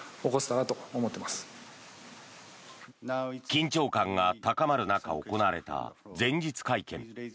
緊張感が高まる中、行われた前日会見。